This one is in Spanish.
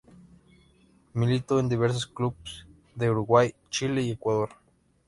Militó en diversos clubes de Uruguay, Chile y Ecuador.